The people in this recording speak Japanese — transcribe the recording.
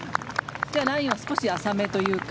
じゃあラインは少し浅めというか。